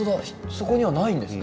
そこにはないんですね。